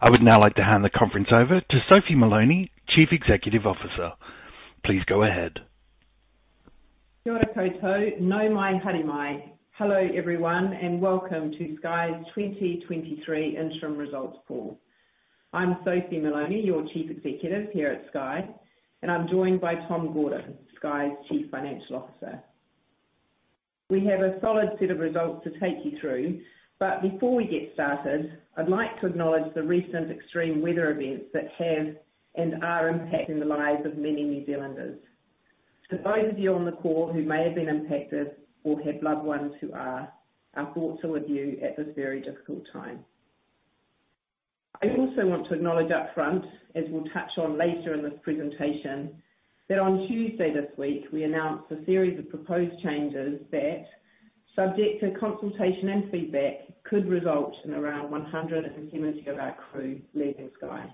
I would now like to hand the conference over to Sophie Moloney, Chief Executive Officer. Please go ahead. Hello everyone, and welcome to Sky's 2023 interim results call. I'm Sophie Moloney, your Chief Executive here at Sky, and I'm joined by Tom Gordon, Sky's Chief Financial Officer. We have a solid set of results to take you through, but before we get started, I'd like to acknowledge the recent extreme weather events that have and are impacting the lives of many New Zealanders. To those of you on the call who may have been impacted or have loved ones who are, our thoughts are with you at this very difficult time. I also want to acknowledge upfront, as we'll touch on later in this presentation, that on Tuesday this week, we announced a series of proposed changes that, subject to consultation and feedback, could result in around 170 of our crew leaving Sky.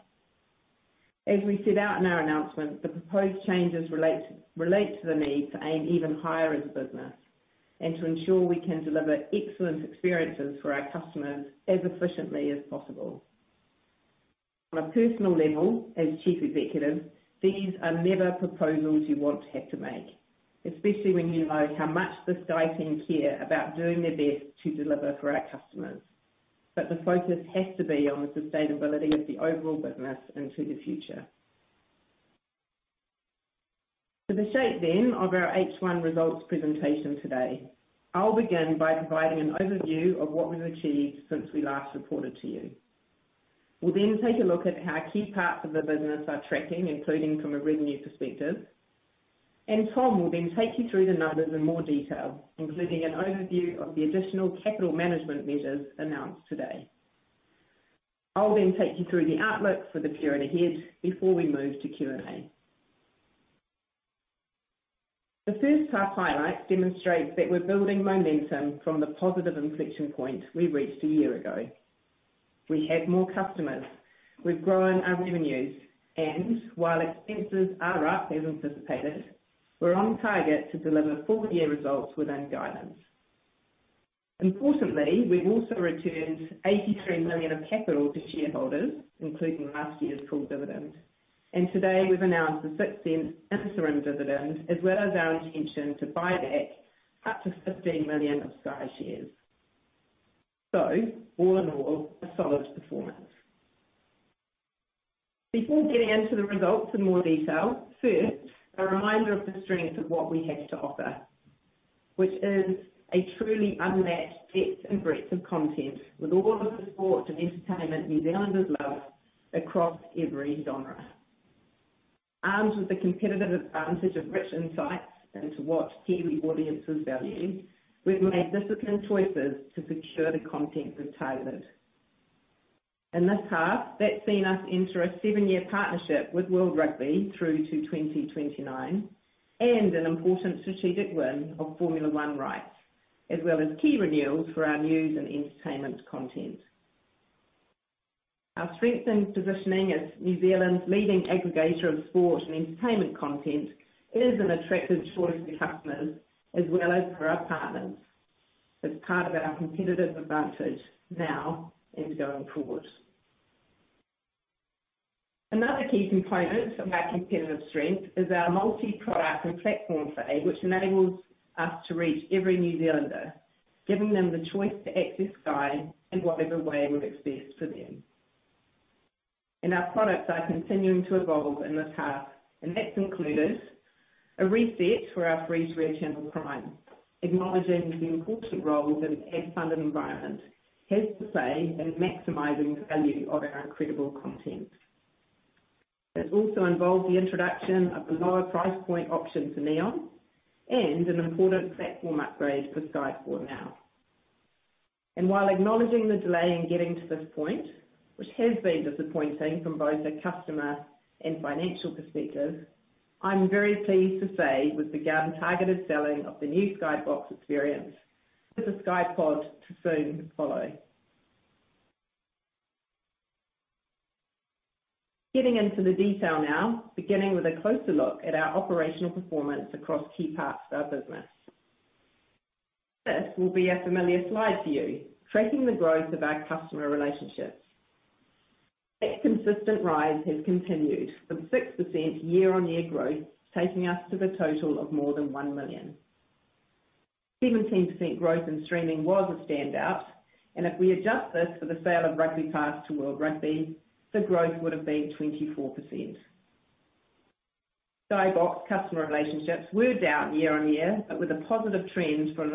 As we set out in our announcement, the proposed changes relate to the need to aim even higher as a business and to ensure we can deliver excellent experiences for our customers as efficiently as possible. On a personal level, as Chief Executive, these are never proposals you want to have to make, especially when you know how much the Sky team care about doing their best to deliver for our customers. The focus has to be on the sustainability of the overall business into the future. To the shape then of our H1 results presentation today. I'll begin by providing an overview of what we've achieved since we last reported to you. We'll then take a look at how key parts of the business are tracking, including from a revenue perspective. Tom will then take you through the numbers in more detail, including an overview of the additional capital management measures announced today. I'll then take you through the outlook for the period ahead before we move to Q&A. The first half highlights demonstrate that we're building momentum from the positive inflection point we reached a year ago. We have more customers. We've grown our revenues, and while expenses are up as anticipated, we're on target to deliver full-year results within guidance. Importantly, we've also returned 83 million of capital to shareholders, including last year's full dividend. Today we've announced a 0.06 interim dividend, as well as our intention to buy back up to 15 million of Sky shares. All in all, a solid performance. Before getting into the results in more detail, first, a reminder of the strength of what we have to offer, which is a truly unmatched depth and breadth of content with all of the sport and entertainment New Zealanders love across every genre. Armed with the competitive advantage of rich insights into what TV audiences value, we've made disciplined choices to secure the content we've tailored. In this half, that's seen us enter a seven-year partnership with World Rugby through to 2029 and an important strategic win of Formula One rights, as well as key renewals for our news and entertainment content. Our strengthened positioning as New Zealand's leading aggregator of sport and entertainment content is an attractive choice for customers as well as for our partners. It's part of our competitive advantage now and going forward. Another key component of our competitive strength is our multi-product and platform play, which enables us to reach every New Zealander, giving them the choice to access Sky in whatever way works best for them. Our products are continuing to evolve in this half, and that's included a reset for our free, three channel Sky Open. Acknowledging the important role that an ad-funded environment has to say in maximizing value of our incredible content. That also involves the introduction of the lower price point option to Neon and an important platform upgrade for Sky Sport Now. While acknowledging the delay in getting to this point, which has been disappointing from both a customer and financial perspective, I'm very pleased to say we've begun targeted selling of the new Sky Box experience, with the Sky Pod to soon follow. Getting into the detail now, beginning with a closer look at our operational performance across key parts of our business. This will be a familiar slide for you, tracking the growth of our customer relationships. That consistent rise has continued with 6% year-on-year growth, taking us to the total of more than 1 million. 17% growth in streaming was a standout, and if we adjust this for the sale of RugbyPass to World Rugby, the growth would have been 24%. Sky Box customer relationships were down year-on-year, but with a positive trend from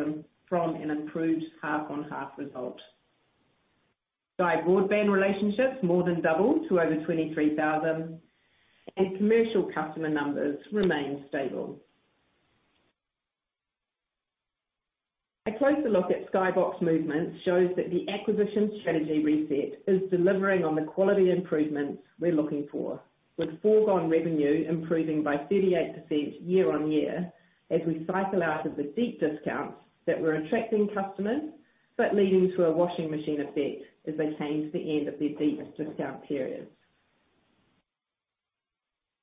an improved half-on-half result. Sky Broadband relationships more than doubled to over 23,000, and commercial customer numbers remained stable. A closer look at Sky Box movements shows that the acquisition strategy reset is delivering on the quality improvements we're looking for, with foregone revenue improving by 38% year-on-year as we cycle out of the deep discounts that were attracting customers, but leading to a washing machine effect as they came to the end of their deepest discount period.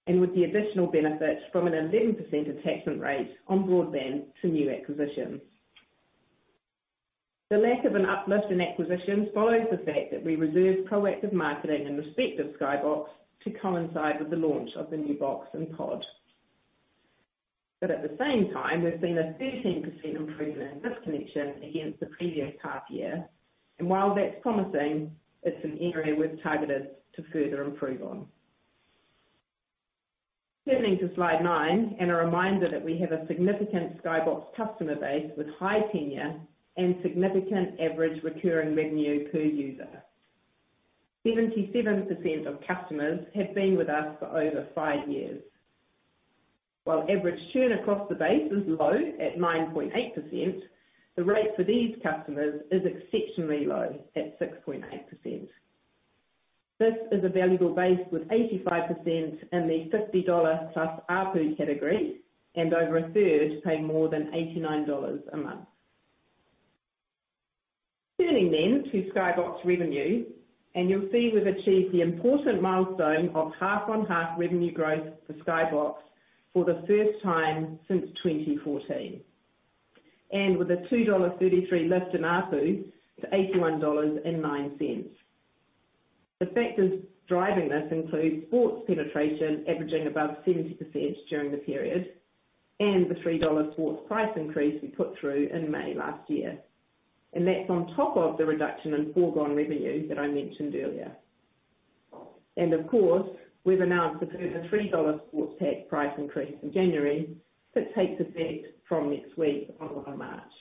With the additional benefit from an 11% attachment rate on broadband to new acquisitions. The lack of an uplift in acquisitions follows the fact that we reserved proactive marketing in respect of Sky Box to coincide with the launch of the new box and pod. At the same time, we've seen a 13% improvement in this connection against the previous half-year. While that's promising, it's an area we've targeted to further improve on. Turning to slide nine, a reminder that we have a significant Sky Box customer base with high tenure and significant average recurring revenue per user. 77% of customers have been with us for over five years. While average churn across the base is low at 9.8%, the rate for these customers is exceptionally low at 6.8%. This is a valuable base with 85% in the 50-plus dollar ARPU category and over a third pay more than 89 dollars a month. Turning then to Sky Box revenue, you'll see we've achieved the important milestone of half-on-half revenue growth for Sky Box for the first time since 2014. With a 2.33 dollar lift in ARPU to 81.09 dollars. The factors driving this include sports penetration averaging above 70% during the period and the 3 dollars sports price increase we put through in May last year. That's on top of the reduction in foregone revenue that I mentioned earlier. Of course, we've announced a further 3 dollar sports pack price increase in January that takes effect from next week on the 1st of March.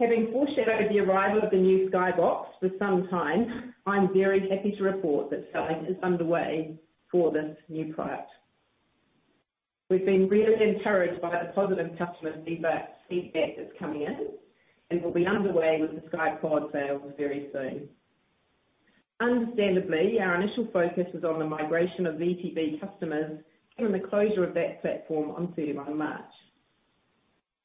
Having foreshadowed the arrival of the new Sky Box for some time, I'm very happy to report that selling is underway for this new product. We've been really encouraged by the positive customer feedback that's coming in, and we'll be underway with the Sky Pod sale very soon. Understandably, our initial focus is on the migration of VTV customers given the closure of that platform on 31 March.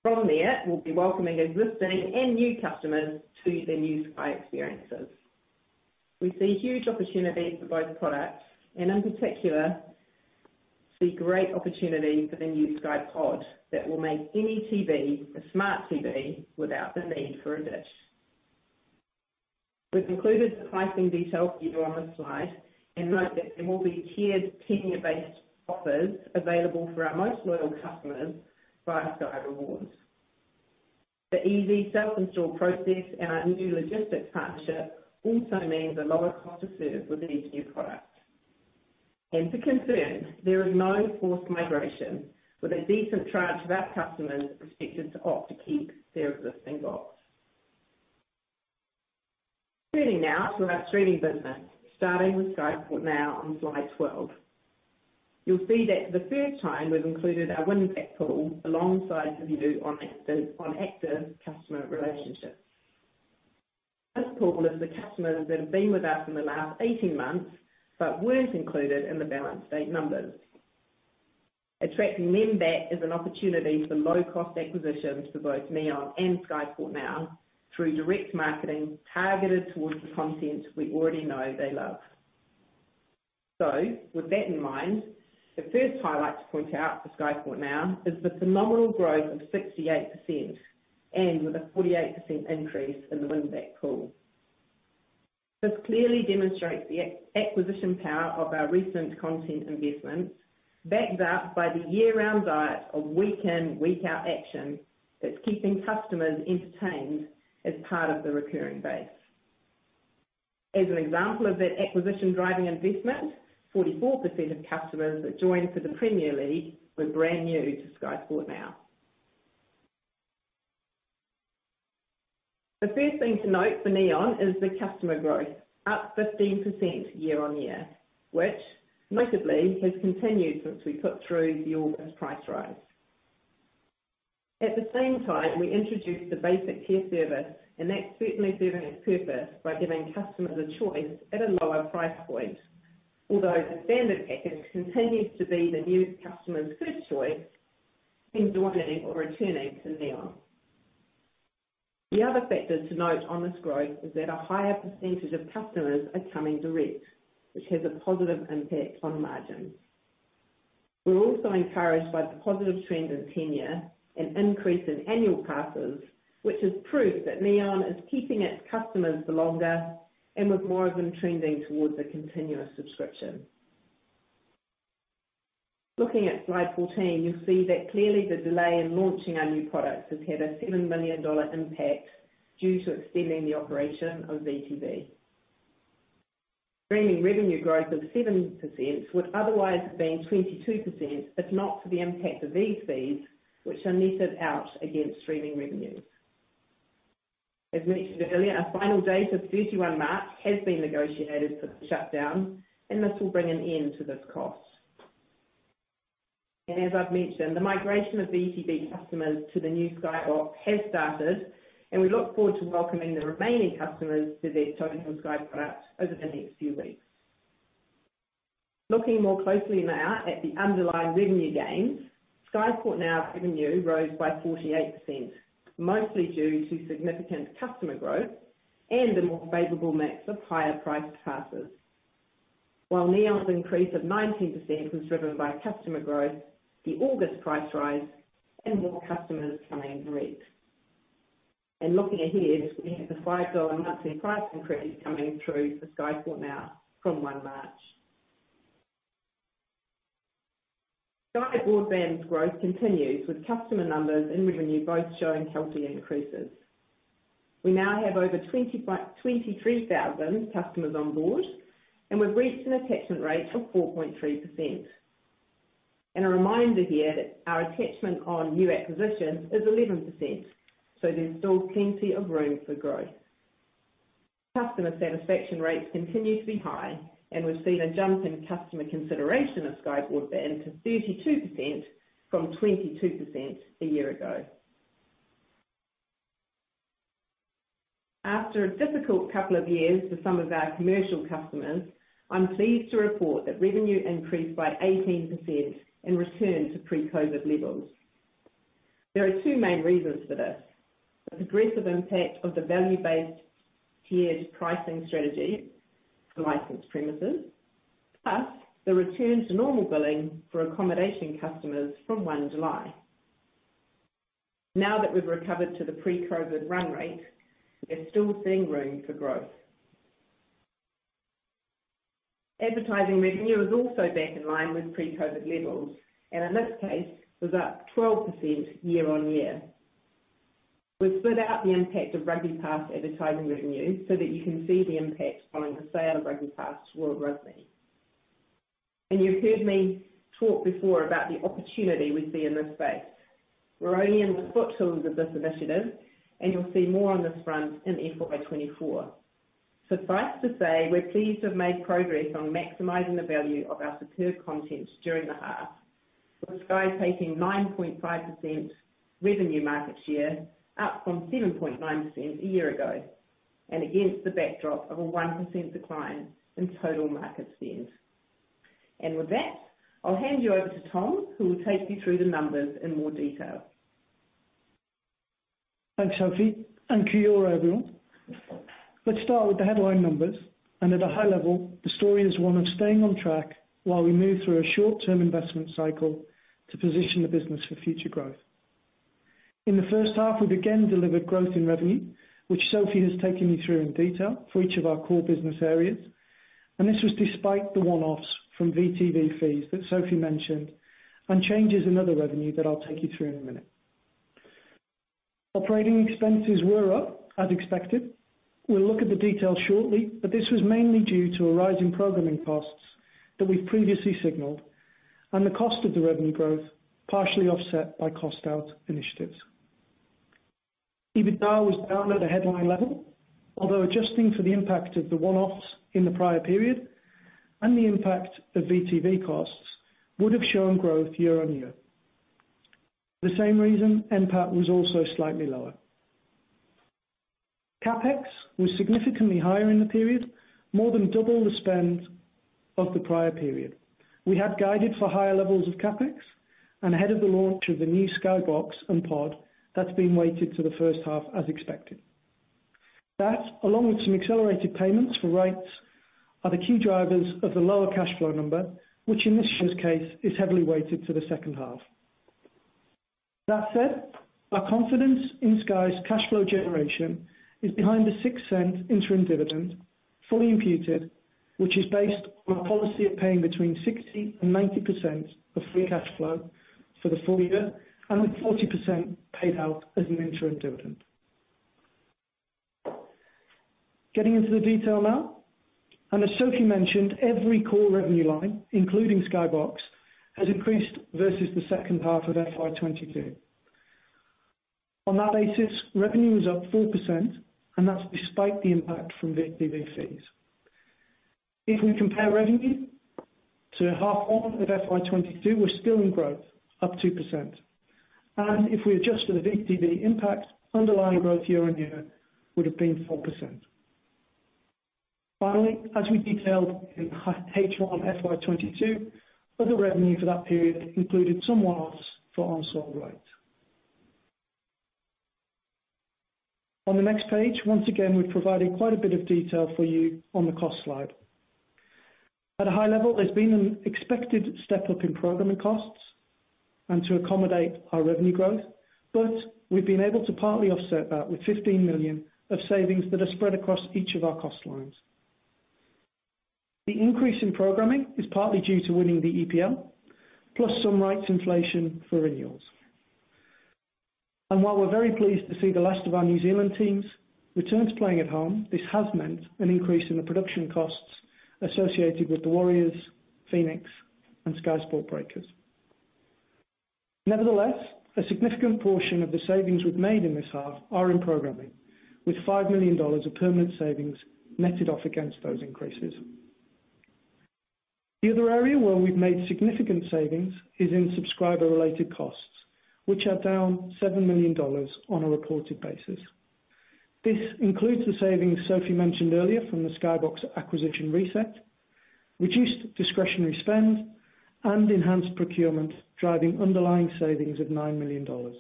From there, we'll be welcoming existing and new customers to their new Sky experiences. We see huge opportunities for both products and in particular see great opportunity for the new Sky Pod that will make any TV a smart TV without the need for a dish. We've included the pricing details for you on this slide and note that there will be tiered tenure-based offers available for our most loyal customers via Sky Rewards. The easy self-install process and our new logistics partnership also means a lower cost to serve with these new products. For concern, there is no forced migration with a decent tranche of our customers expected to opt to keep their existing box. Turning now to our streaming business, starting with Sky Sport Now on slide 12. You'll see that for the first time we've included our win-back pool alongside review on active customer relationships. This pool is the customers that have been with us in the last 18 months but weren't included in the balance date numbers. Attracting them back is an opportunity for low cost acquisitions for both Neon and Sky Sport Now through direct marketing targeted towards the content we already know they love. With that in mind, the first highlight to point out for Sky Sport Now is the phenomenal growth of 68% and with a 48% increase in the win-back pool. This clearly demonstrates the acquisition power of our recent content investments, backed up by the year-round diet of week-in, week-out action that's keeping customers entertained as part of the recurring base. As an example of that acquisition-driving investment, 44% of customers that joined for the Premier League were brand new to Sky Sport Now. The first thing to note for Neon is the customer growth, up 15% year-on-year, which notably has continued since we put through the August price rise. At the same time, we introduced the basic care service and that's certainly serving its purpose by giving customers a choice at a lower price point. Although the standard package continues to be the new customer's first choice when joining or returning to Neon. The other factor to note on this growth is that a higher percentage of customers are coming direct, which has a positive impact on margins. We're also encouraged by the positive trend in tenure, an increase in annual passes, which is proof that Neon is keeping its customers for longer and with more of them trending towards a continuous subscription. Looking at slide 14, you'll see that clearly the delay in launching our new products has had a 7 million dollar impact due to extending the operation of VTV. Streaming revenue growth of 7% would otherwise have been 22% if not for the impact of these fees, which are netted out against streaming revenues. As mentioned earlier, our final date of 31 March has been negotiated for the shutdown, this will bring an end to this cost. As I've mentioned, the migration of VTV customers to the new Sky Box has started, and we look forward to welcoming the remaining customers to their total Sky products over the next few weeks. Looking more closely now at the underlying revenue gains. Sky Sport Now revenue rose by 48%, mostly due to significant customer growth and a more favorable mix of higher-priced passes. While Neon's increase of 19% was driven by customer growth, the August price rise and more customers coming direct. Looking ahead, we have the 5 dollar monthly price increase coming through for Sky Sport Now from one March. Sky Broadband's growth continues with customer numbers and revenue both showing healthy increases. We now have over 23,000 customers on board, and we've reached an attachment rate of 4.3%. A reminder here that our attachment on new acquisitions is 11%, so there's still plenty of room for growth. Customer satisfaction rates continue to be high, and we've seen a jump in customer consideration of Sky Broadband to 32% from 22% a year ago. After a difficult couple of years for some of our commercial customers, I'm pleased to report that revenue increased by 18% and returned to pre-COVID levels. There are two main reasons for this. The progressive impact of the value-based tiered pricing strategy for licensed premises, plus the return to normal billing for accommodation customers from one July. Now that we've recovered to the pre-COVID run rate, there's still seeing room for growth. Advertising revenue is also back in line with pre-COVID levels, and in this case was up 12% year-on-year. We've split out the impact of RugbyPass advertising revenue so that you can see the impact following the sale of RugbyPass to World Rugby. You've heard me talk before about the opportunity we see in this space. We're only in the foothills of this initiative, and you'll see more on this front in FY 2024. Suffice to say, we're pleased to have made progress on maximizing the value of our superb content during the half, with Sky taking 9.5% revenue market share up from 7.9% a year ago. Against the backdrop of a 1% decline in total market spend. With that, I'll hand you over to Tom, who will take you through the numbers in more detail. Thanks, Sophie. Thank you all, everyone. Let's start with the headline numbers. At a high level, the story is one of staying on track while we move through a short-term investment cycle to position the business for future growth. In the first half, we again delivered growth in revenue, which Sophie has taken you through in detail for each of our core business areas. This was despite the one-offs from VTV fees that Sophie mentioned and changes in other revenue that I'll take you through in a minute. Operating expenses were up as expected. We'll look at the detail shortly, this was mainly due to a rise in programming costs that we've previously signaled and the cost of the revenue growth, partially offset by cost out initiatives. EBITDA was down at a headline level, although adjusting for the impact of the one-offs in the prior period and the impact of VTV costs would have shown growth year-on-year. The same reason, NPAT was also slightly lower. CapEx was significantly higher in the period, more than double the spend of the prior period. We had guided for higher levels of CapEx and ahead of the launch of the new Sky Box and Pod that's been weighted to the first half as expected. That, along with some accelerated payments for rights, are the key drivers of the lower cash flow number, which in this year's case, is heavily weighted to the second half. That said, our confidence in Sky's cash flow generation is behind the 0.06 interim dividend, fully imputed, which is based on a policy of paying between 60% and 90% of free cash flow for the full-year, with 40% paid out as an interim dividend. Getting into the detail now, as Sophie mentioned, every core revenue line, including Sky Box, has increased versus the second half of FY 2022. On that basis, revenue was up 4%, that's despite the impact from VTV fees. If we compare revenue to H1 of FY 2022, we're still in growth up 2%. If we adjust for the VTV impact, underlying growth year-on-year would have been 4%. Finally, as we detailed in H1 FY 2022, other revenue for that period included some warrants for unsold rights. On the next page, once again, we're providing quite a bit of detail for you on the cost slide. At a high level, there's been an expected step-up in programming costs and to accommodate our revenue growth, but we've been able to partly offset that with 15 million of savings that are spread across each of our cost lines. The increase in programming is partly due to winning the EPL plus some rights inflation for renewals. While we're very pleased to see the last of our New Zealand teams return to playing at home, this has meant an increase in the production costs associated with the Warriors, Phoenix and Sky Sport Breakers. Nevertheless, a significant portion of the savings we've made in this half are in programming, with 5 million dollars of permanent savings netted off against those increases. The other area where we've made significant savings is in subscriber-related costs, which are down 7 million dollars on a reported basis. This includes the savings Sophie mentioned earlier from the Sky Box acquisition reset, reduced discretionary spend and enhanced procurement, driving underlying savings of 9 million dollars.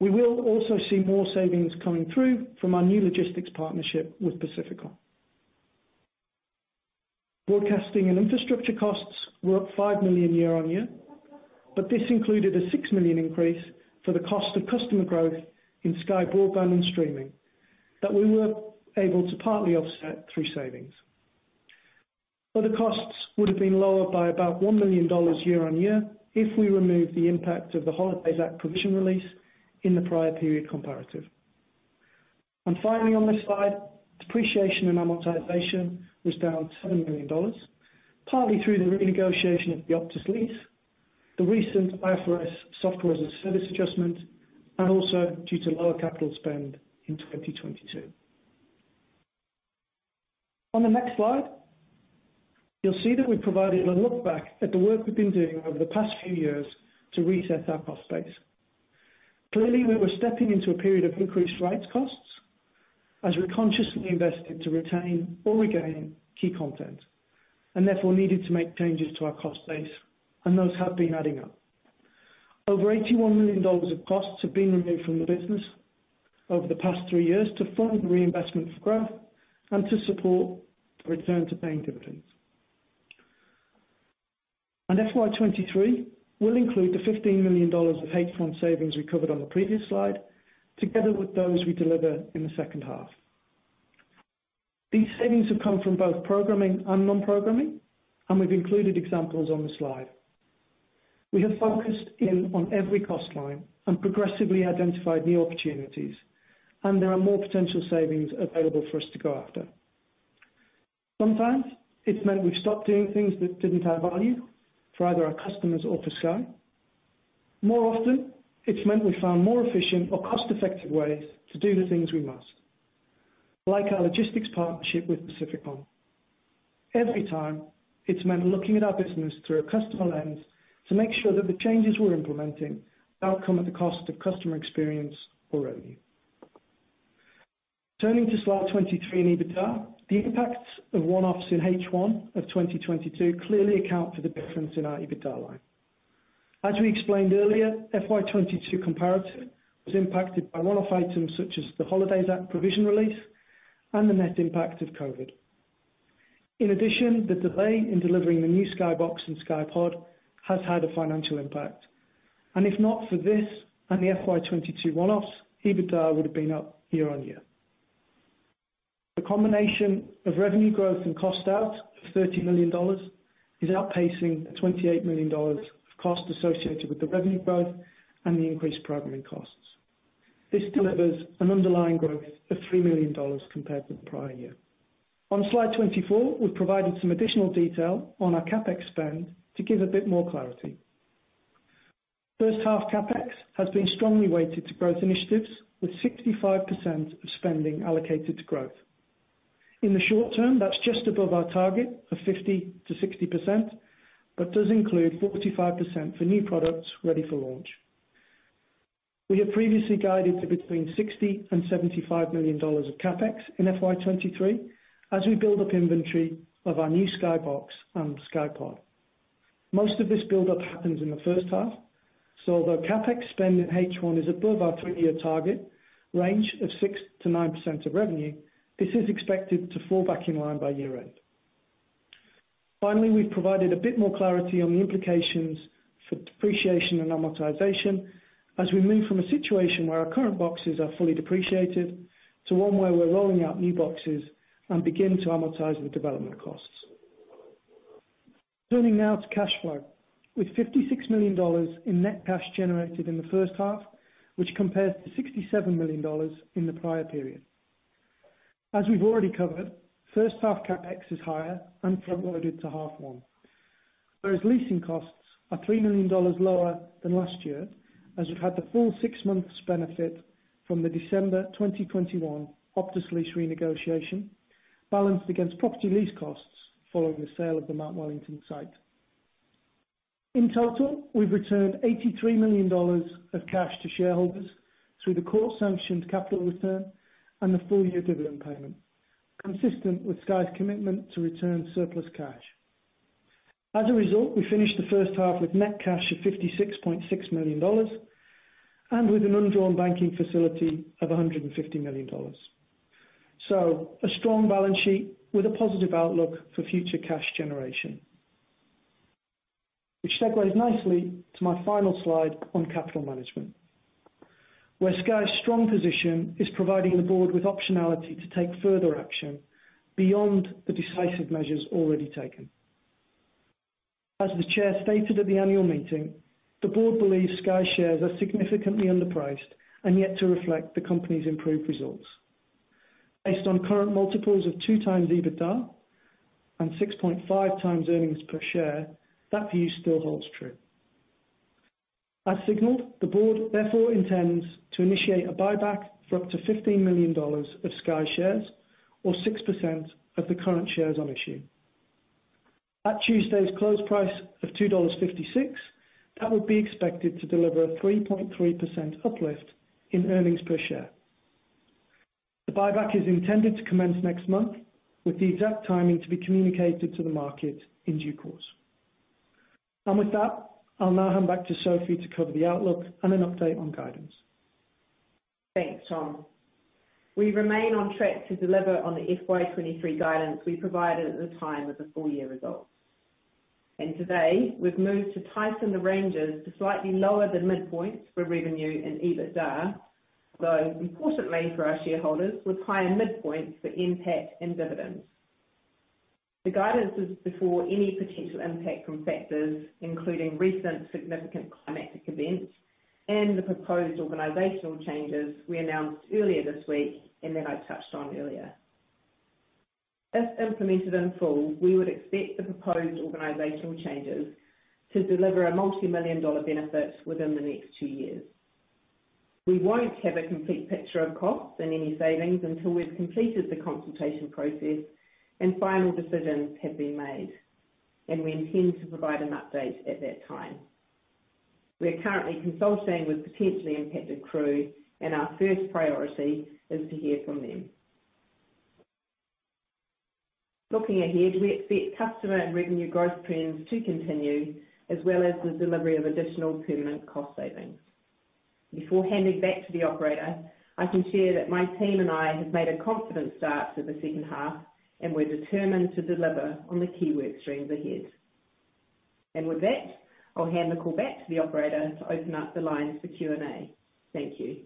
We will also see more savings coming through from our new logistics partnership with Pacificol. Broadcasting and infrastructure costs were up 5 million year-on-year, but this included a 6 million increase for the cost of customer growth in Sky Broadband and streaming that we were able to partly offset through savings. Other costs would have been lower by about 1 million dollars year-on-year if we remove the impact of the Holidays Act provision release in the prior period comparative. Finally, on this slide, depreciation and amortization was down 7 million dollars, partly through the renegotiation of the Optus lease, the recent IFRS software-as-a-service adjustment, and also due to lower capital spend in 2022. On the next slide, you'll see that we've provided a look back at the work we've been doing over the past few years to reset our cost base. Clearly, we were stepping into a period of increased rights costs as we consciously invested to retain or regain key content, and therefore needed to make changes to our cost base, and those have been adding up. Over 81 million dollars of costs have been removed from the business over the past three years to fund reinvestment for growth and to support a return to paying dividends. FY 2023 will include the 15 million dollars of H1 savings we covered on the previous slide together with those we deliver in the second half. These savings have come from both programming and non-programming, and we've included examples on the slide. We have focused in on every cost line and progressively identified new opportunities, and there are more potential savings available for us to go after. Sometimes it's meant we've stopped doing things that didn't add value for either our customers or for Sky. More often, it's meant we found more efficient or cost-effective ways to do the things we must. Like our logistics partnership with Pacificol. Every time, it's meant looking at our business through a customer lens to make sure that the changes we're implementing don't come at the cost of customer experience or revenue. Turning to slide 23 and EBITDA, the impacts of one-offs in H1 of 2022 clearly account for the difference in our EBITDA line. As we explained earlier, FY 2022 comparative was impacted by one-off items such as the Holidays Act provision release and the net impact of Covid. The delay in delivering the new Sky Box and Sky Pod has had a financial impact. If not for this and the FY 2022 one-offs, EBITDA would have been up year-on-year. The combination of revenue growth and cost out of 30 million dollars is outpacing the 28 million dollars of costs associated with the revenue growth and the increased programming costs. This delivers an underlying growth of 3 million dollars compared with the prior year. On slide 24, we've provided some additional detail on our CapEx spend to give a bit more clarity. First half CapEx has been strongly weighted to growth initiatives with 65% of spending allocated to growth. In the short term, that's just above our target of 50%-60%, but does include 45% for new products ready for launch. We have previously guided to between NZD 60 million and NZD 75 million of CapEx in FY23, as we build up inventory of our new Sky Box and Sky Pod. Most of this buildup happens in the first half. Although CapEx spend in H1 is above our three-year target range of 6%-9% of revenue, this is expected to fall back in line by year-end. We've provided a bit more clarity on the implications for depreciation and amortization as we move from a situation where our current boxes are fully depreciated to one where we're rolling out new boxes and begin to amortize the development costs. Turning now to cash flow, with 56 million dollars in net cash generated in the first half, which compares to 67 million dollars in the prior period. As we've already covered, first half CapEx is higher and front-loaded to half one. Whereas leasing costs are 3 million dollars lower than last year, as we've had the full six months benefit from the December 2021 Optus lease renegotiation balanced against property lease costs following the sale of the Mount Wellington site. In total, we've returned 83 million dollars of cash to shareholders through the court-sanctioned capital return and the full-year dividend payment, consistent with Sky's commitment to return surplus cash. As a result, we finished the first half with net cash of 56.6 million dollars and with an undrawn banking facility of 150 million dollars. A strong balance sheet with a positive outlook for future cash generation. Which segues nicely to my final slide on capital management, where Sky's strong position is providing the board with optionality to take further action beyond the decisive measures already taken. As the chair stated at the annual meeting, the board believes Sky shares are significantly underpriced and yet to reflect the company's improved results. Based on current multiples of 2x EBITDA and 6.5x earnings per share, that view still holds true. As signaled, the board therefore intends to initiate a buyback for up to 15 million dollars of Sky shares or 6% of the current shares on issue. At Tuesday's close price of 2.56 dollars, that would be expected to deliver a 3.3% uplift in earnings per share. The buyback is intended to commence next month, with the exact timing to be communicated to the market in due course. With that, I'll now hand back to Sophie to cover the outlook and an update on guidance. Thanks, Tom. We remain on track to deliver on the FY 2023 guidance we provided at the time of the full-year results. Today we've moved to tighten the ranges to slightly lower the midpoints for revenue and EBITDA, though importantly for our shareholders, with higher midpoints for NPAT and dividends. The guidance is before any potential impact from factors, including recent significant climatic events and the proposed organizational changes we announced earlier this week and that I touched on earlier. If implemented in full, we would expect the proposed organizational changes to deliver a multi-million dollar benefit within the next two years. We won't have a complete picture of costs and any savings until we've completed the consultation process and final decisions have been made, and we intend to provide an update at that time. We are currently consulting with potentially impacted crew, and our first priority is to hear from them. Looking ahead, we expect customer and revenue growth trends to continue as well as the delivery of additional permanent cost savings. Before handing back to the operator, I can share that my team and I have made a confident start to the second half, and we're determined to deliver on the key work streams ahead. With that, I'll hand the call back to the operator to open up the lines for Q&A. Thank you.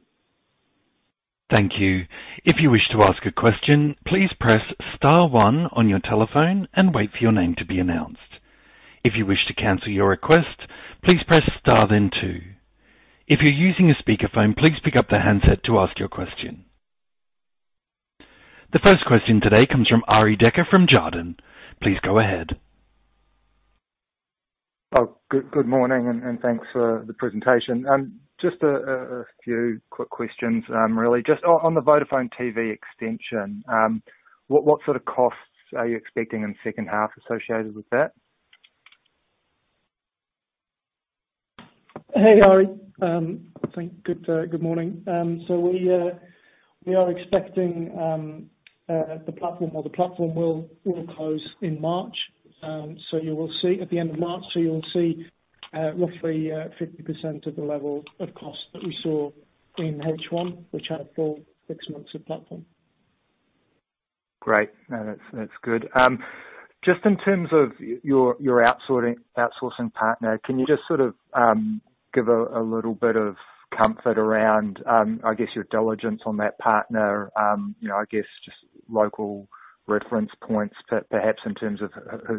Thank you. If you wish to ask a question, please press star one on your telephone and wait for your name to be announced. If you wish to cancel your request, please press star, then two. If you're using a speakerphone, please pick up the handset to ask your question. The first question today comes from Arie Dekker from Jarden. Please go ahead. Good morning and thanks for the presentation. Just a few quick questions, really. Just on the Vodafone TV extension, what sort of costs are you expecting in the second half associated with that? Hey, Arie. good morning. We are expecting the platform will close in March. You will see at the end of March, you'll see roughly 50% of the level of cost that we saw in H1, which had a full six months of platform. Great. That's good. Just in terms of your outsourcing partner, can you just sort of give a little bit of comfort around I guess your diligence on that partner? You know, I guess just local reference points perhaps in terms of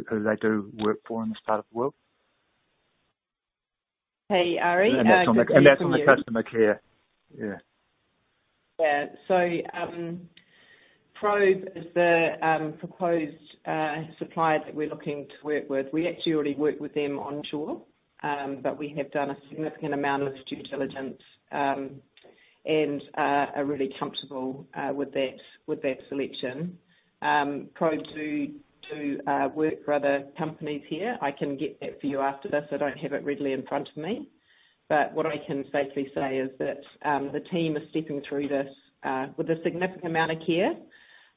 who they do work for in this part of the world. Hey, Arie. Good to hear from you. That's on the customer care. Yeah. Yeah. Probe is the proposed supplier that we're looking to work with. We actually already work with them onshore, but we have done a significant amount of due diligence, and are really comfortable with that, with that selection. Probe do work for other companies here. I can get that for you after this. I don't have it readily in front of me. What I can safely say is that the team is stepping through this with a significant amount of care.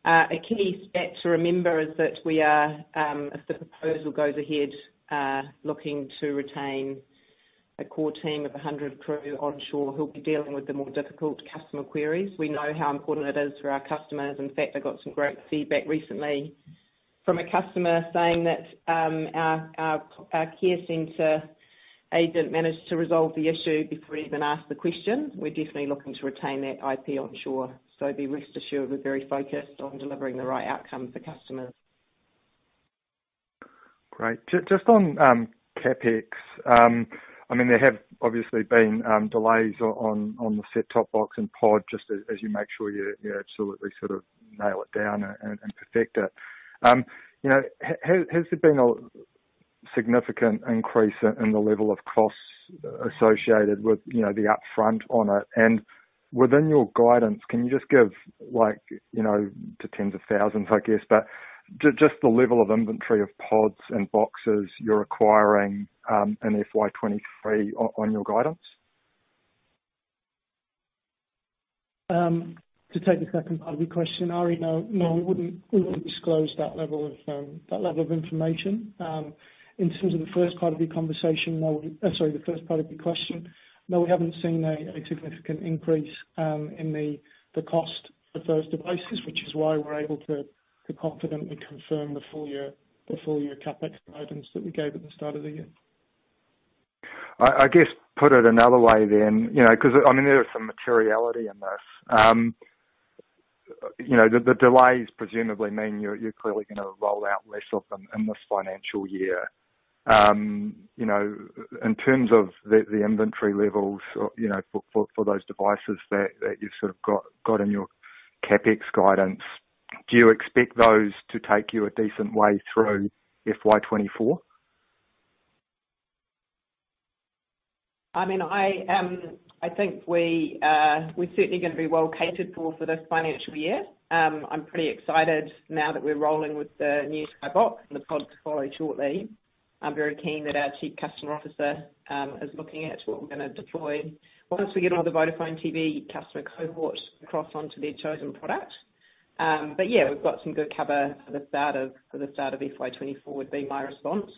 A key stat to remember is that we are, if the proposal goes ahead, looking to retain a core team of 100 crew onshore who'll be dealing with the more difficult customer queries. We know how important it is for our customers. In fact, I got some great feedback recently from a customer saying that our care center agent managed to resolve the issue before he even asked the question. We're definitely looking to retain that IP onshore, be rest assured we're very focused on delivering the right outcome for customers. Great. Just on CapEx, I mean, there have obviously been delays on the set-top box and pod just as you make sure you absolutely sort of nail it down and perfect it. you know, has there been a significant increase in the level of costs associated with, you know, the upfront on it? Within your guidance, can you just give, like, you know, to 10s of thousands, I guess, but just the level of inventory of pods and boxes you're acquiring in FY 2023 on your guidance? To take the second part of your question, Arie, no, we wouldn't disclose that level of information. In terms of the first part of your conversation, no, sorry, the first part of your question. No, we haven't seen a significant increase in the cost of those devices, which is why we're able to confidently confirm the full-year CapEx guidance that we gave at the start of the year. I guess put it another way then, you know, 'cause I mean, there is some materiality in this. You know, the delays presumably mean you're clearly gonna roll out less of them in this financial year. You know, in terms of the inventory levels, you know, for those devices that you've sort of got in your CapEx guidance, do you expect those to take you a decent way through FY 2024? I mean, I think we're certainly gonna be well catered for for this financial year. I'm pretty excited now that we're rolling with the new Sky Box and the Pod to follow shortly. I'm very keen that our chief customer officer is looking at what we're gonna deploy once we get all the Vodafone TV customer cohort across onto their chosen product. Yeah, we've got some good cover for the start of FY 2024 would be my response.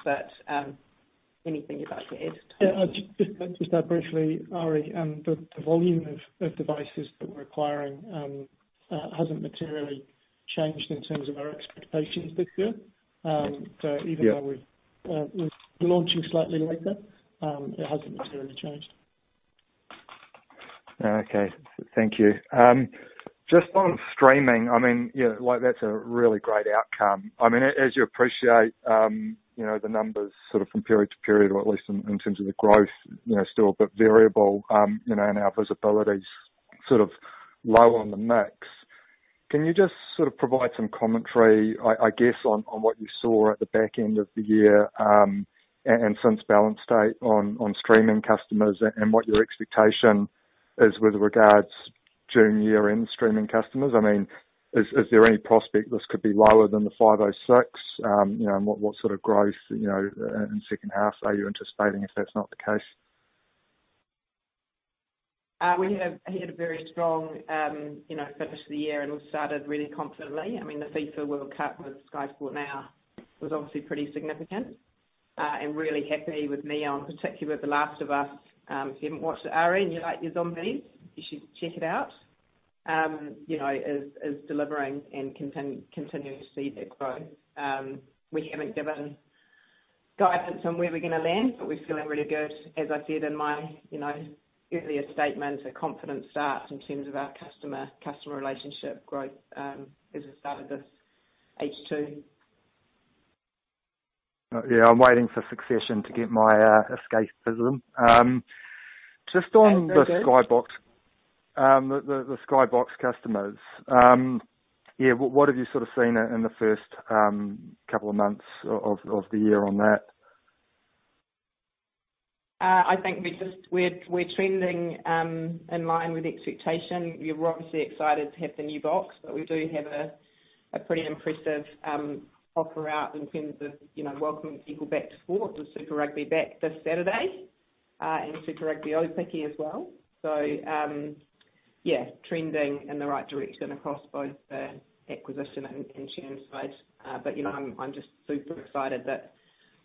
Anything you'd like to add, Tom? Yeah, just briefly, Arie, the volume of devices that we're acquiring, hasn't materially changed in terms of our expectations this year. Yeah. Even though we've, we're launching slightly later, it hasn't materially changed. Okay. Thank you. Just on streaming, I mean, you know, like, that's a really great outcome. I mean, as you appreciate, you know, the numbers sort of from period to period or at least in terms of the growth, you know, still a bit variable, you know, and our visibility's sort of low on the mix. Can you just sort of provide some commentary, I guess, on what you saw at the back end of the year, and since balance date on streaming customers and what your expectation is with regards June year-end streaming customers? I mean, is there any prospect this could be lower than the 506? You know, what sort of growth in second half are you anticipating if that's not the case? We have had a very strong, you know, finish to the year and we've started really confidently. I mean, the FIFA World Cup with Sky Sport Now was obviously pretty significant. And really happy with Neon, particularly with The Last of Us. If you haven't watched it, Arie, and you like your zombies, you should check it out. You know, is delivering and continuing to see that growth. We haven't given guidance on where we're gonna land, but we're feeling really good. As I said in my, you know, earlier statement, a confident start in terms of our customer relationship growth, as we started this H2. Yeah, I'm waiting for Succession to get my escapism. That's very good. The Sky Box. the Sky Box customers. yeah, what have you sort of seen in the first couple of months of the year on that? I think we're trending in line with expectation. We're obviously excited to have the new box, but we do have a pretty impressive offer out in terms of, you know, welcoming people back to sports with Super Rugby back this Saturday, and Super Rugby Aupiki as well. Yeah, trending in the right direction across both the acquisition and churn space. You know, I'm just super excited that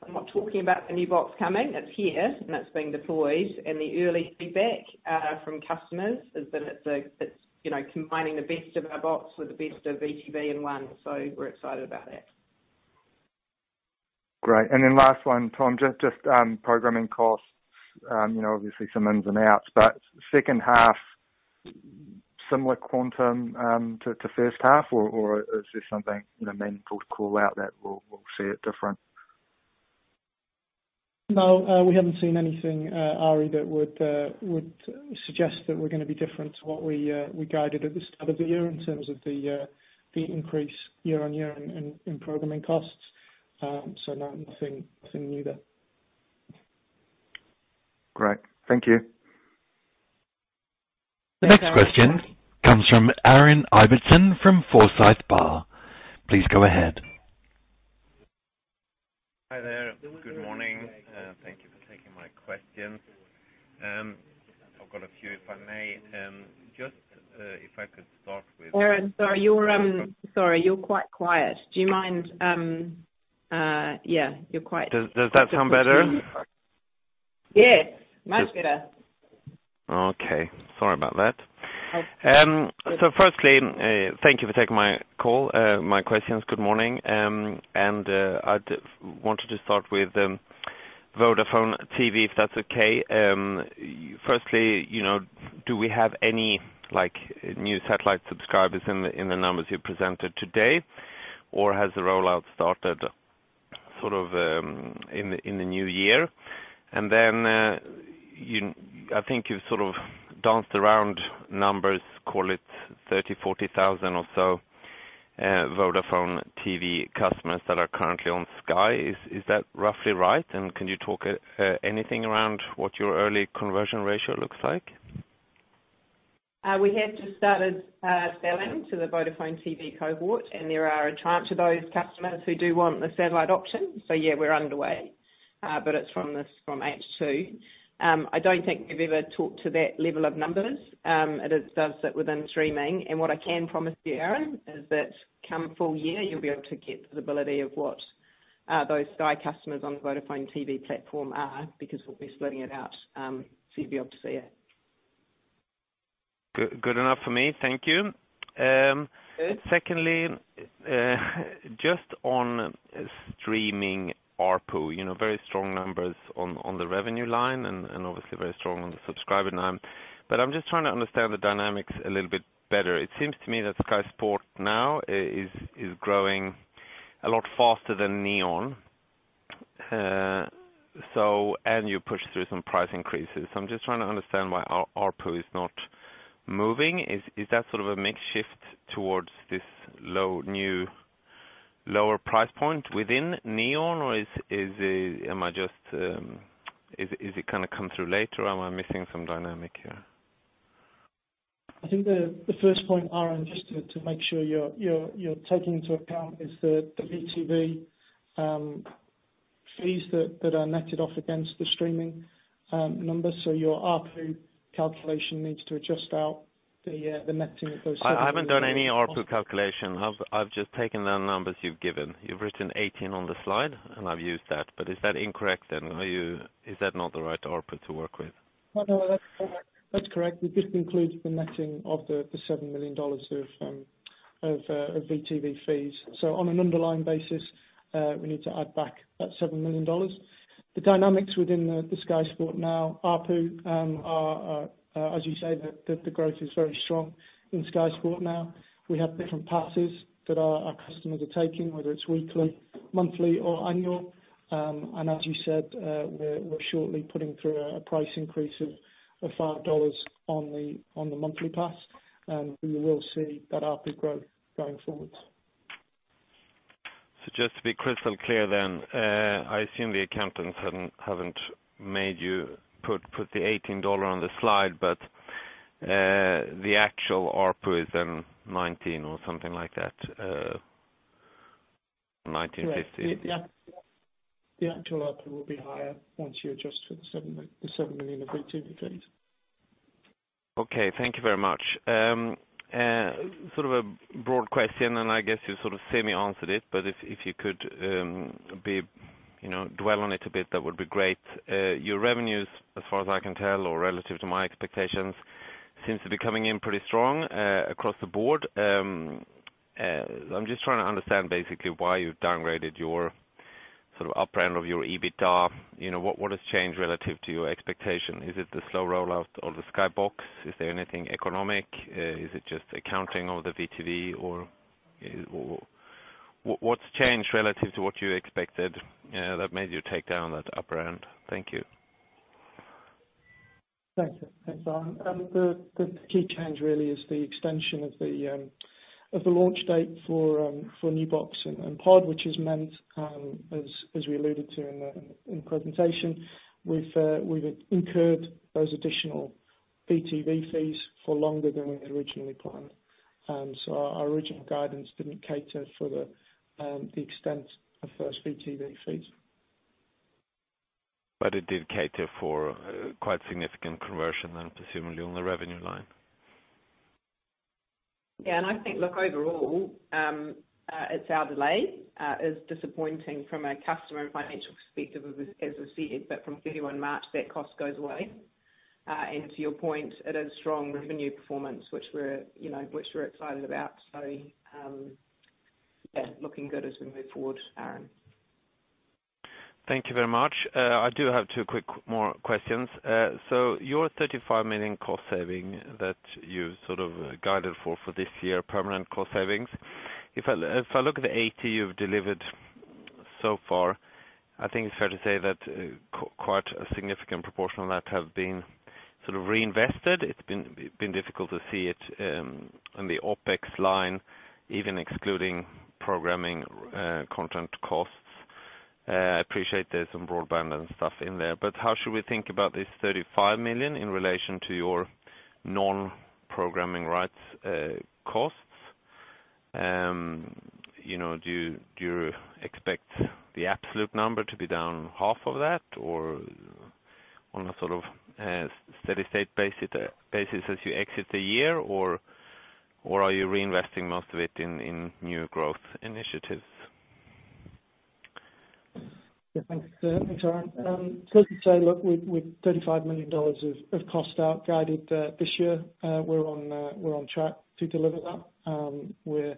I'm not talking about the new box coming. It's here, and it's being deployed, and the early feedback from customers is that it's, you know, combining the best of our box with the best of Vodafone TV in one, we're excited about that. Great. Last one, Tom. Just programming costs. You know, obviously some ins and outs, but second half, similar quantum to first half or is there something, you know, meaningful to call out that will see it different? No. We haven't seen anything, Arie, that would suggest that we're gonna be different to what we guided at the start of the year in terms of the increase year-on-year in programming costs. No, nothing new there. Great. Thank you. Thanks, Arie. The next question comes from Aaron Ibbotson from Forsyth Barr. Please go ahead. Hi there. Good morning. Thank you for taking my questions. I've got a few, if I may. Just, if I could start. Aaron, sorry, you're quite quiet. Do you mind, yeah. Does that sound better? Yes. Much better. Okay. Sorry about that. Firstly, thank you for taking my call, my questions. Good morning. I wanted to start with Vodafone TV, if that's okay. Firstly, you know, do we have any, like, new satellite subscribers in the, in the numbers you presented today? Or has the rollout started sort of, in the, in the new year? Then, I think you've sort of danced around numbers, call it 30,000-40,000 or so, Vodafone TV customers that are currently on Sky. Is that roughly right? Can you talk anything around what your early conversion ratio looks like? We have just started selling to the Vodafone TV cohort. There are a chunk of those customers who do want the satellite option. Yeah, we're underway, but it's from H2. I don't think we've ever talked to that level of numbers. It does sit within streaming. What I can promise you, Aaron, is that come full-year, you'll be able to get visibility of what those Sky customers on the Vodafone TV platform are because we'll be splitting it out. You'll be able to see it. Good, good enough for me. Thank you. Good. Secondly, just on streaming ARPU, you know, very strong numbers on the revenue line and obviously very strong on the subscriber line. I'm just trying to understand the dynamics a little bit better. It seems to me that Sky Sport Now is growing a lot faster than Neon. You push through some price increases. I'm just trying to understand why our ARPU is not moving. Is that sort of a mix shift towards this low, new-lower price point within Neon or am I just, is it gonna come through later? Am I missing some dynamic here? I think the first point, Aaron, just to make sure you're taking into account is the VodafoneTV fees that are netted off against the streaming numbers. Your ARPU calculation needs to adjust out the netting of those NZD 7 million. I haven't done any ARPU calculation. I've just taken the numbers you've given. You've written 18 on the slide, and I've used that. Is that incorrect then? Is that not the right ARPU to work with? No, that's correct. That's correct. We've just included the netting of the 7 million dollars of Vodafone TV fees. On an underlying basis, we need to add back that 7 million dollars. The dynamics within the Sky Sport Now ARPU, as you say, the growth is very strong in Sky Sport Now. We have different passes that our customers are taking, whether it's weekly, monthly, or annual. As you said, we're shortly putting through a price increase of 5 dollars on the monthly pass, and you will see that ARPU growth going forward. Just to be crystal clear then, I assume the accountants haven't made you put the 18 dollar on the slide, but the actual ARPU is then 19 or something like that, 19.50. Yeah. The actual ARPU will be higher once you adjust for the 7 million of VodafoneTV fees. Okay. Thank you very much. Sort of a broad question. I guess you sort of semi-answered it. If you could, you know, dwell on it a bit, that would be great. Your revenues, as far as I can tell or relative to my expectations, seems to be coming in pretty strong, across the board. I'm just trying to understand basically why you've downgraded your sort of upper end of your EBITDA. You know, what has changed relative to your expectation? Is it the slow rollout of the Sky Box? Is there anything economic? Is it just accounting all the Vodafone TV or what's changed relative to what you expected that made you take down that upper end? Thank you. Thanks. Thanks, Aaron. The key change really is the extension of the launch date for New Box and Pod, which has meant, as we alluded to in the presentation, we've incurred those additional VodafoneTV fees for longer than we had originally planned. Our original guidance didn't cater for the extent of those Vodafone TV fees. It did cater for, quite significant conversion then presumably on the revenue line. I think, look, overall, it's our delay, is disappointing from a customer and financial perspective, as we've said. From 31 March, that cost goes away. To your point, it is strong revenue performance, which we're, you know, which we're excited about. Yeah, looking good as we move forward, Aaron. Thank you very much. I do have two quick more questions. So your 35 million cost saving that you sort of guided for this year, permanent cost savings. If I look at the NZD 80 million you've delivered so far, I think it's fair to say that quite a significant proportion of that have been sort of reinvested. It's been difficult to see it on the OpEx line, even excluding programming content costs. I appreciate there's some broadband and stuff in there, but how should we think about this 35 million in relation to your non-programming rights costs? You know, do you expect the absolute number to be down half of that or on a sort of steady state basis as you exit the year, or are you reinvesting most of it in new growth initiatives? Yeah. Thanks, thanks, Aaron. Safe to say, look, we've 35 million dollars of cost out guided this year. We're on track to deliver that. We're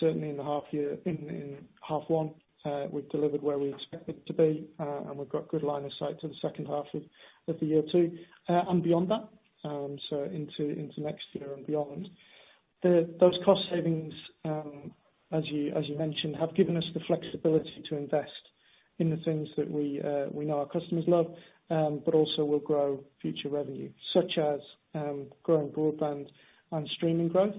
certainly in the half year, in half one, we've delivered where we expected to be, and we've got good line of sight to the second half of the year too, and beyond that, so into next year and beyond. Those cost savings, as you mentioned, have given us the flexibility to invest in the things that we know our customers love, but also will grow future revenue, such as growing broadband and streaming growth.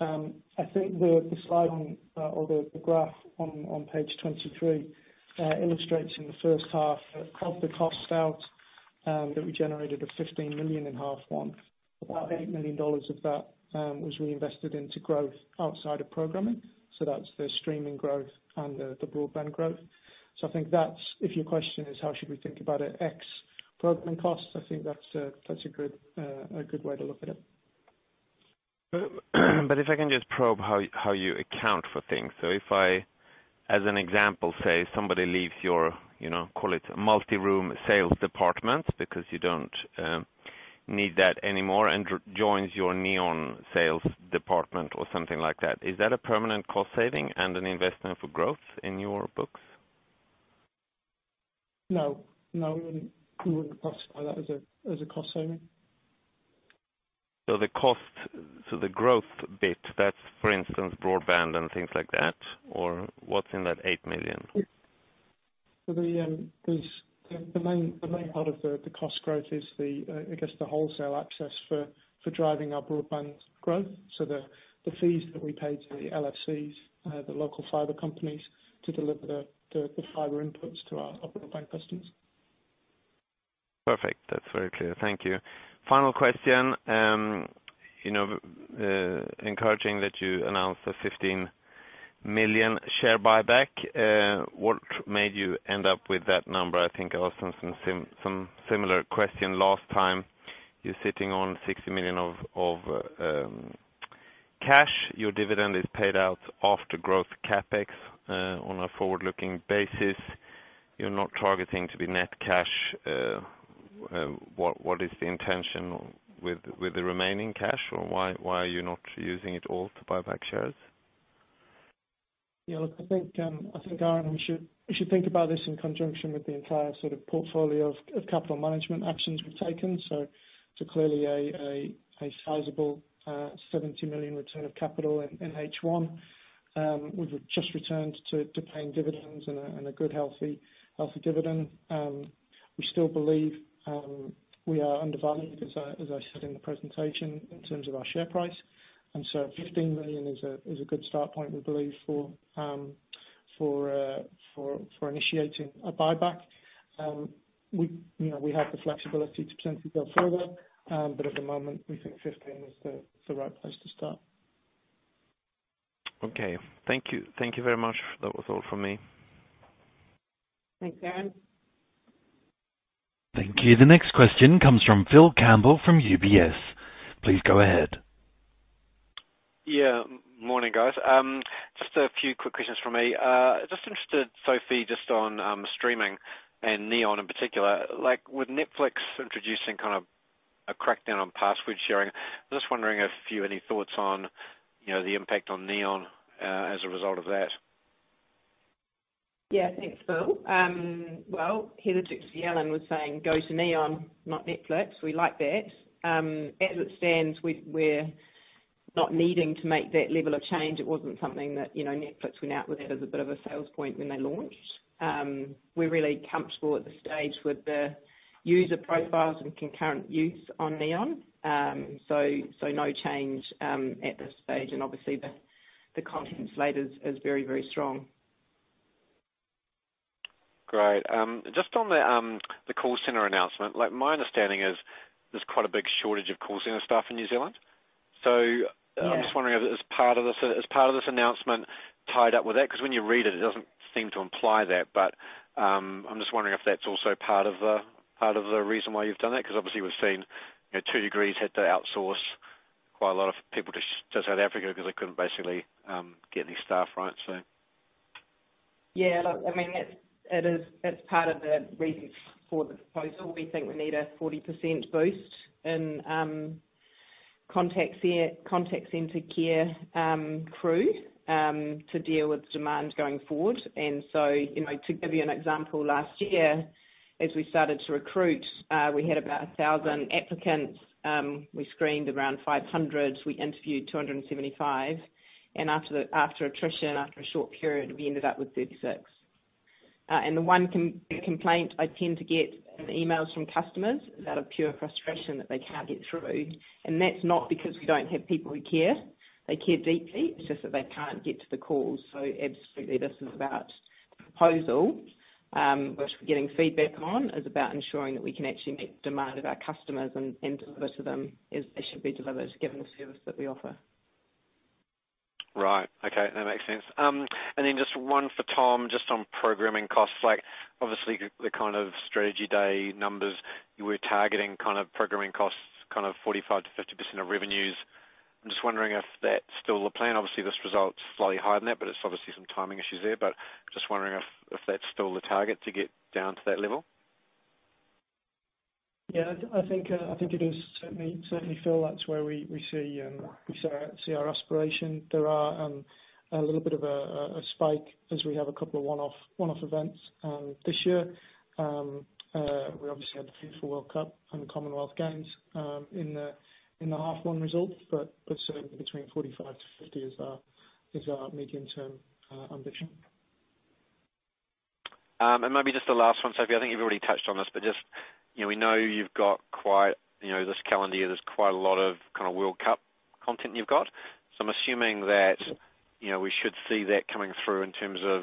I think the slide on, or the graph on page 23, illustrates in the first half of the cost out, that we generated 15 million in half one. About 8 million dollars of that, was reinvested into growth outside of programming. That's the streaming growth and the broadband growth. I think that's, if your question is how should we think about it, ex programming costs, I think that's a, that's a good, a good way to look at it. If I can just probe how you account for things. If I, as an example, say somebody leaves your, you know, call it multi-room sales department because you don't need that anymore and joins your Neon sales department or something like that, is that a permanent cost saving and an investment for growth in your books? No, we wouldn't classify that as a cost saving. The growth bit, that's for instance, broadband and things like that, or what's in that 8 million? The main part of the cost growth is I guess the wholesale access for driving our broadband growth. The fees that we pay to the LFCs, the local fiber companies to deliver the fiber inputs to our broadband customers. Perfect. That's very clear. Thank you. Final question. you know, encouraging that you announced the 15 million share buyback. What made you end up with that number? I think I asked some similar question last time. You're sitting on 60 million of cash. Your dividend is paid out after growth CapEx on a forward-looking basis. You're not targeting to be net cash. What is the intention with the remaining cash, or why are you not using it all to buy back shares? Yeah, look, I think, Aaron, we should think about this in conjunction with the entire sort of portfolio of capital management actions we've taken. To clearly a sizable 70 million return of capital in H1. We've just returned to paying dividends and a good, healthy dividend. We still believe we are undervalued, as I said in the presentation, in terms of our share price. 15 million is a good start point, we believe, for initiating a buyback. We, you know, we have the flexibility to potentially go further, at the moment, we think 15 million is the right place to start. Okay. Thank you. Thank you very much. That was all for me. Thanks, Aaron. Thank you. The next question comes from Philip Campbell from UBS. Please go ahead. Morning, guys. Just a few quick questions from me. Just interested, Sophie, just on streaming and Neon in particular. Like, with Netflix introducing kind of a crackdown on password sharing, I'm just wondering if you have any thoughts on, you know, the impact on Neon as a result of that. Yeah. Thanks, Phil. Well, Heather was saying, "Go to Neon, not Netflix." We like that. As it stands, we're not needing to make that level of change. It wasn't something that, you know, Netflix went out with that as a bit of a sales point when they launched. We're really comfortable at the stage with the user profiles and concurrent use on Neon. No change at this stage. Obviously the content slate is very, very strong. Great. Just on the call center announcement, like, my understanding is there's quite a big shortage of call center staff in New Zealand. Yeah. I'm just wondering if it is part of this, is part of this announcement tied up with that? 'Cause when you read it doesn't seem to imply that. I'm just wondering if that's also part of the reason why you've done that, 'cause obviously we've seen, you know, two degrees had to outsource quite a lot of people to South Africa because they couldn't basically get any staff, right? Yeah, look, I mean, that's part of the reason for the proposal. We think we need a 40% boost in contact center care crew to deal with demand going forward. You know, to give you an example, last year as we started to recruit, we had about 1,000 applicants. We screened around 500. We interviewed 275. After attrition, after a short period, we ended up with 36. The one complaint I tend to get in emails from customers is out of pure frustration that they can't get through. That's not because we don't have people who care. They care deeply. It's just that they can't get to the calls. Absolutely this is about proposal, which we're getting feedback on, is about ensuring that we can actually meet demand of our customers and deliver to them as it should be delivered given the service that we offer. Right. Okay. That makes sense. Just one for Tom, just on programming costs. Like, obviously the kind of strategy day numbers, you were targeting kind of programming costs, kind of 45%-50% of revenues. I'm just wondering if that's still the plan. Obviously, this result's slightly higher than that, but it's obviously some timing issues there. Just wondering if that's still the target to get down to that level. I think it is certainly, Phil, that's where we see our aspiration. There are a little bit of a spike as we have a couple of one-off events this year. We obviously had the FIFA World Cup and the Commonwealth Games in the half one results, certainly between 45%-50% is our medium-term ambition. Maybe just the last one, Sophie. I think you've already touched on this, but just, you know, we know you've got quite, you know, this calendar year, there's quite a lot of kind of World Cup content you've got. I'm assuming that, you know, we should see that coming through in terms of,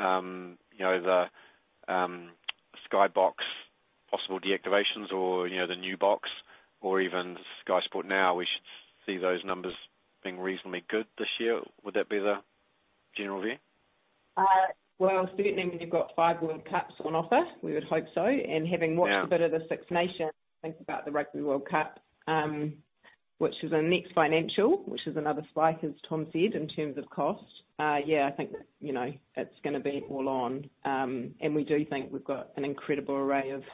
you know, the Sky Box possible deactivations or, you know, the new box or even Sky Sport Now, we should see those numbers being reasonably good this year. Would that be the general view? Well, certainly when you've got five World Cups on offer, we would hope so. Yeah. Having watched a bit of the Six Nations, think about the Rugby World Cup, which is in next financial, which is another spike, as Tom said, in terms of cost. Yeah, I think, you know, it's gonna be all on. We do think we've got an incredible array of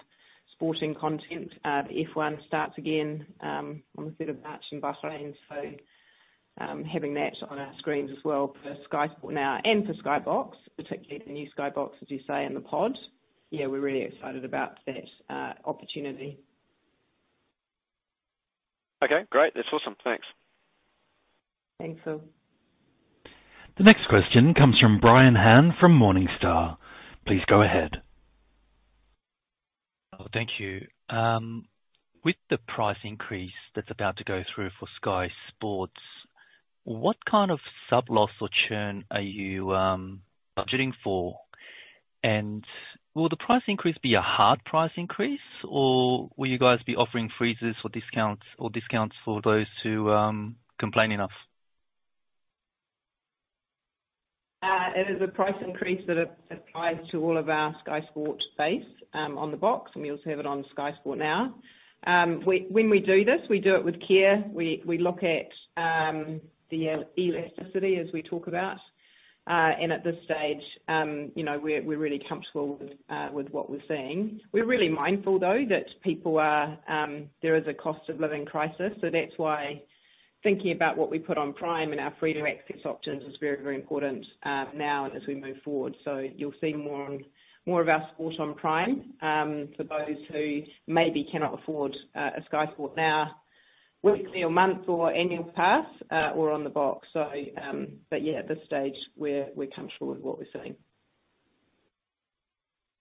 sporting content. The F1 starts again on the 3rd of March in Bahrain. Having that on our screens as well for Sky Sport Now and for Sky Box, particularly the new Sky Box, as you say, and the Pod, yeah, we're really excited about that opportunity. Okay, great. That's awesome. Thanks. Thanks, Phil. The next question comes from Brian Han from Morningstar. Please go ahead. Oh, thank you. With the price increase that's about to go through for Sky Sport, what kind of sub-loss or churn are you budgeting for? Will the price increase be a hard price increase, or will you guys be offering freezes or discounts, or discounts for those who complain enough? It is a price increase that applies to all of our Sky Sport base on the box, and we also have it on Sky Sport Now. When we do this, we do it with care. We look at the elasticity as we talk about. At this stage, you know, we're really comfortable with what we're seeing. We're really mindful though, that people are, there is a cost of living crisis. That's why thinking about what we put on Prime and our freedom access options is very, very important now and as we move forward. You'll see more of our sport on Prime for those who maybe cannot afford a Sky Sport Now weekly or month or annual pass or on the box. At this stage, we're comfortable with what we're seeing.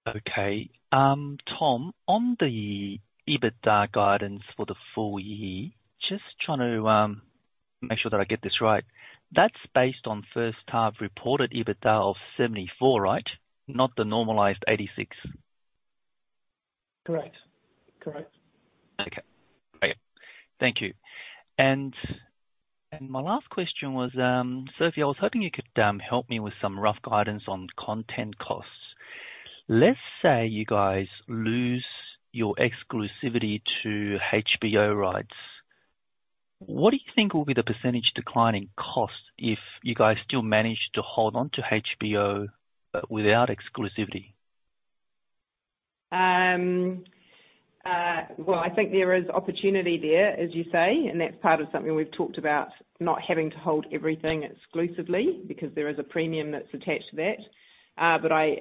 Okay. Tom, on the EBITDA guidance for the full-year, just trying to make sure that I get this right. That's based on first half reported EBITDA of 74, right? Not the normalized 86. Correct. Correct. Okay. Great. Thank you. My last question was, Sophie, I was hoping you could help me with some rough guidance on content costs. Let's say you guys lose your exclusivity to HBO rights. What do you think will be the % decline in cost if you guys still manage to hold onto HBO, but without exclusivity? Well, I think there is opportunity there, as you say, and that's part of something we've talked about, not having to hold everything exclusively because there is a premium that's attached to that. I,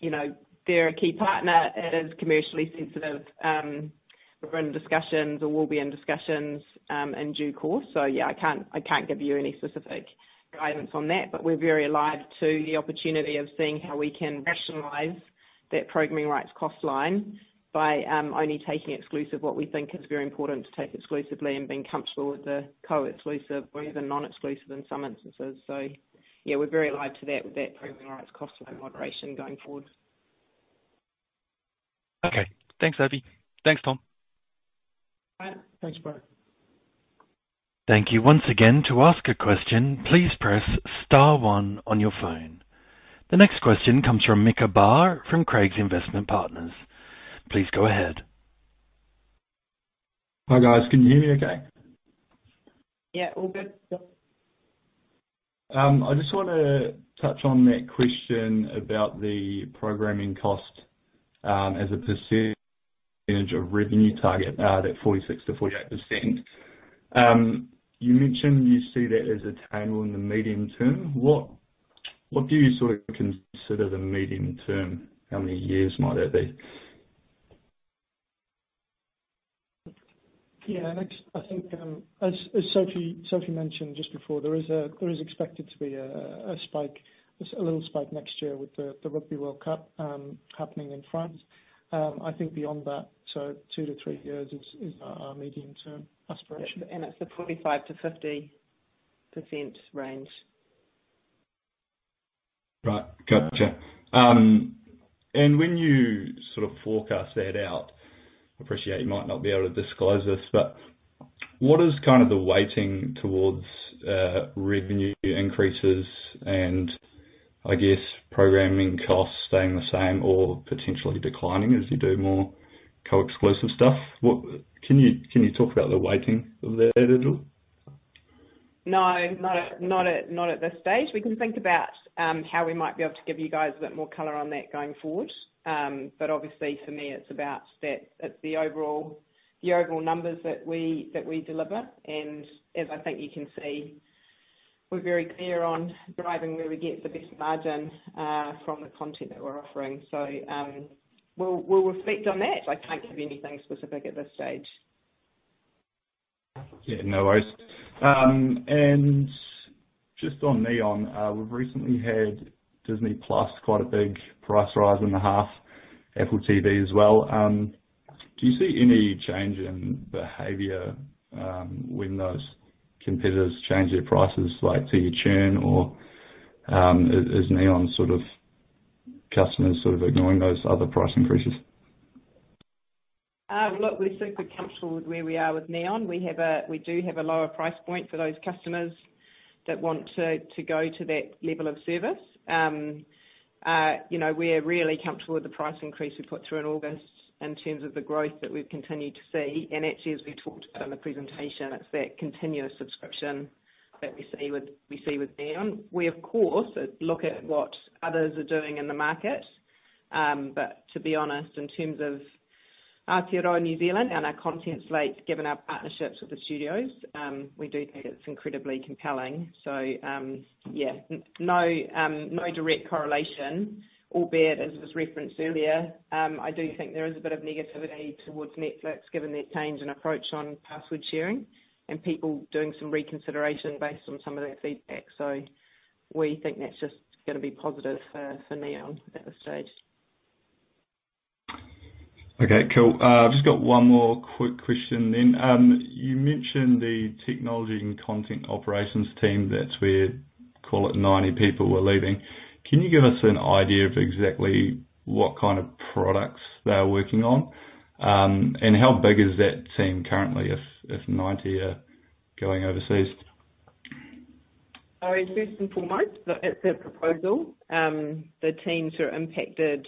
you know, they're a key partner. It is commercially sensitive. We're in discussions or will be in discussions in due course. Yeah, I can't give you any specific guidance on that. We're very alive to the opportunity of seeing how we can rationalize that programming rights cost line by only taking exclusive what we think is very important to take exclusively and being comfortable with the co-exclusive or even non-exclusive in some instances. Yeah, we're very alive to that programming rights cost in moderation going forward. Okay. Thanks, Sophie. Thanks, Tom. All right. Thanks, Brian. Thank you once again. To ask a question, please press star one on your phone. The next question comes from Mohandeep Singh from Craigs Investment Partners. Please go ahead. Hi, guys. Can you hear me okay? Yeah, all good. I just wanna touch on that question about the programming cost, as a percentage of revenue target, that 46%-48%. You mentioned you see that as attainable in the medium term. What do you sort of consider the medium term? How many years might that be? Next. I think, as Sophie mentioned just before, there is expected to be a little spike next year with the Rugby World Cup happening in France. I think beyond that, so two to three years is our medium-term aspiration. It's the 45%-50% range. Right. Gotcha. When you sort of forecast that out, appreciate you might not be able to disclose this, but what is kind of the weighting towards revenue increases and I guess programming costs staying the same or potentially declining as you do more co-exclusive stuff? Can you talk about the weighting of that at all? No. Not at this stage. We can think about how we might be able to give you guys a bit more color on that going forward. Obviously for me, it's about that, it's the overall numbers that we deliver. As I think you can see, we're very clear on driving where we get the best margin from the content that we're offering. We'll reflect on that. I can't give you anything specific at this stage. Yeah, no worries. Just on Neon, we've recently had Disney+ quite a big price rise and a half, Apple TV as well. Do you see any change in behavior when those competitors change their prices, like teacher churn or is Neon sort of customers ignoring those other price increases? Look, we're super comfortable with where we are with Neon. We do have a lower price point for those customers that want to go to that level of service. You know, we're really comfortable with the price increase we put through in August in terms of the growth that we've continued to see. Actually, as we talked about in the presentation, it's that continuous subscription that we see with Neon. We, of course, look at what others are doing in the market. To be honest, in terms of Aotearoa New Zealand and our content slates, given our partnerships with the studios, we do think it's incredibly compelling. Yeah. No, no direct correlation, albeit as was referenced earlier, I do think there is a bit of negativity towards Netflix given their change in approach on password sharing and people doing some reconsideration based on some of that feedback. We think that's just gonna be positive for Neon at this stage. Okay, cool. Just got one more quick question. You mentioned the technology and content operations team. That's where, call it 90 people were leaving. Can you give us an idea of exactly what kind of products they are working on? How big is that team currently if 90 are going overseas? First and foremost, at the proposal, the teams who are impacted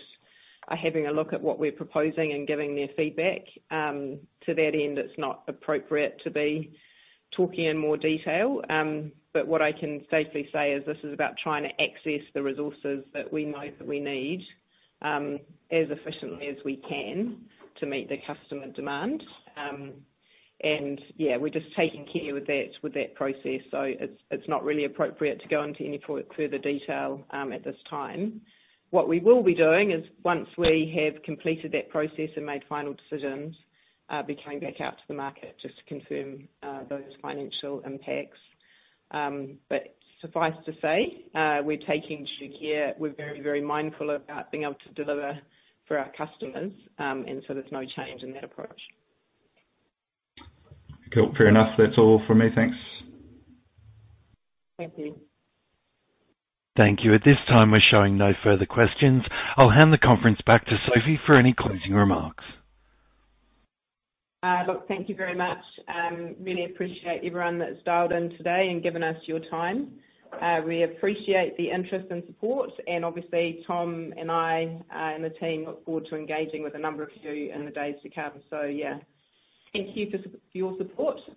are having a look at what we're proposing and giving their feedback. To that end, it's not appropriate to be talking in more detail. What I can safely say is this is about trying to access the resources that we know that we need, as efficiently as we can to meet the customer demand. Yeah, we're just taking care with that process. It's not really appropriate to go into any further detail, at this time. What we will be doing is once we have completed that process and made final decisions, be coming back out to the market just to confirm those financial impacts. Suffice to say, we're taking due care. We're very, very mindful about being able to deliver for our customers, and so there's no change in that approach. Cool. Fair enough. That's all from me. Thanks. Thank you. Thank you. At this time, we're showing no further questions. I'll hand the conference back to Sophie for any closing remarks. Look, thank you very much. Really appreciate everyone that's dialed in today and given us your time. We appreciate the interest and support, and obviously Tom and I and the team look forward to engaging with a number of you in the days to come. Yeah. Thank you for your support.